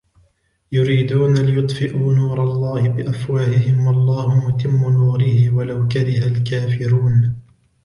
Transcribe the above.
يُرِيدُونَ لِيُطْفِئُوا نُورَ اللَّهِ بِأَفْوَاهِهِمْ وَاللَّهُ مُتِمُّ نُورِهِ وَلَوْ كَرِهَ الْكَافِرُونَ